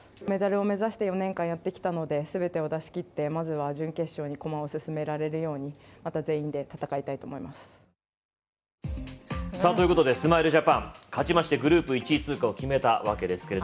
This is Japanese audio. メダルを目指して４年間やってきたのですべてを出しきってまずは準決勝に駒を進められるようにということでスマイルジャパン、勝ちましてグループ１位通過を決めたわけです。